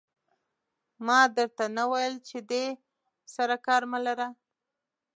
ما در ته نه ویل چې دې سره کار مه لره.